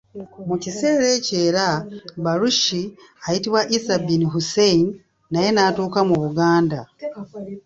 Mu kiseera ekyo era, Balushi, ayitibwa Isa bin Hussein, naye n'atuuka mu Buganda.